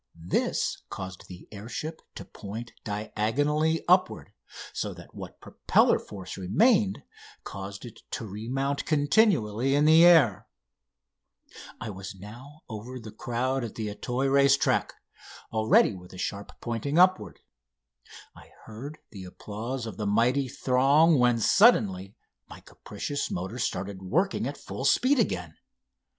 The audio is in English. This caused the air ship to point diagonally upward, so that what propeller force remained caused it to remount continually in the air. [Illustration: "No. 6." MAKING FOR EIFFEL TOWER; ALTITUDE 1000 FEET] I was now over the crowd of the Auteuil racetrack, already with a sharp pointing upward. I heard the applause of the mighty throng, when suddenly my capricious motor started working at full speed again.